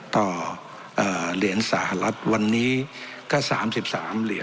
ต่อเอ่อเหรียญสหรัฐวันนี้ก็สามสิบสามเหรียญ